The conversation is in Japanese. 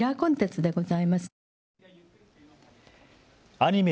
アニメ